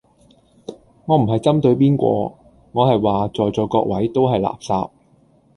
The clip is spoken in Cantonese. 我唔係針對邊個，我係話在座各位都係垃圾